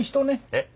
えっ？